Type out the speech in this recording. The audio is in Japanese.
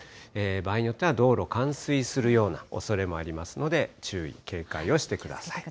場合によっては道路、冠水するようなおそれもありますので、注意、警戒をしてください。